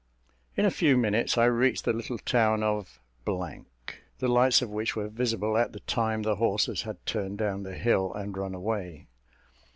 In a few minutes I reached the little town of , the lights of which were visible at the time the horses had turned down the hill and run away.